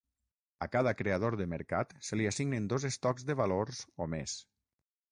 A cada creador de mercat se li assignen dos estocs de valors o més.